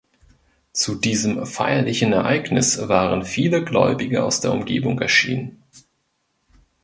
Zu diesem feierlichen Ereignis waren viele Gläubige aus der Umgebung erschienen.